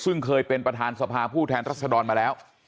ซึ่งเคยเป็นประธานสภาผู้แทนรัศดรมาแล้ว